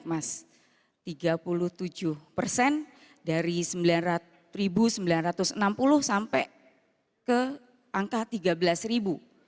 kabupaten trenggalek juga naik mas tiga puluh tujuh persen dari rp sembilan sembilan ratus enam puluh sampai ke angka rp tiga belas